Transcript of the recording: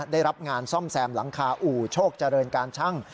ได้รับงานซ่อมแซมหลังคาอู่โชคเจริญการชั่ง